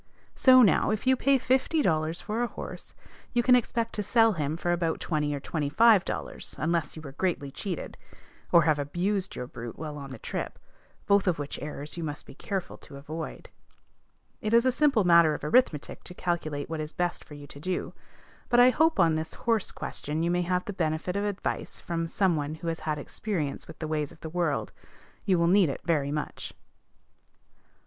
So now, if you pay fifty dollars for a horse, you can expect to sell him for about twenty or twenty five dollars, unless you were greatly cheated, or have abused your brute while on the trip, both of which errors you must be careful to avoid. It is a simple matter of arithmetic to calculate what is best for you to do; but I hope on this horse question you may have the benefit of advice from some one who has had experience with the ways of the world. You will need it very much.